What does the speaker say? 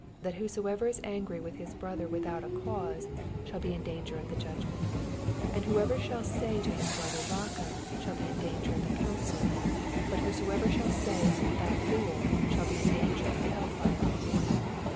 That whoso •ver is angry with his brother with dnt a cause ^all be in duiger of the judgment: and whosoever shall say to his brother, Raca, shall be in dan ger of the. oooncil: but whosoever shall say. Thou fool, shall be in dan ger of hell fire.